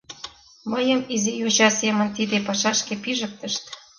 — Мыйым изи йоча семын тиде пашашке пижыктышт.